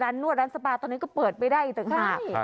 ร้านนวดร้านสปาตอนนี้ก็เปิดไปได้อีกตั้ง๕